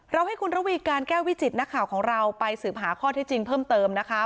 ให้คุณระวีการแก้ววิจิตนักข่าวของเราไปสืบหาข้อที่จริงเพิ่มเติมนะคะ